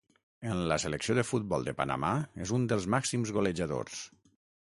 En la selecció de futbol de Panamà és un dels màxims golejadors.